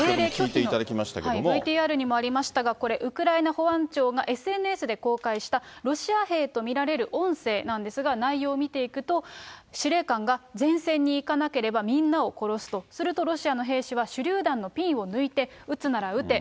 ＶＴＲにもありましたが、これ、ウクライナ保安庁がＳＮＳで公開したロシア兵と見られる音声なんですが、内容を見ていくと、司令官が前線に行かなければ、みんなを殺すと、すると、ロシアの兵士は手りゅう弾のピンを抜いて、撃つなら撃て！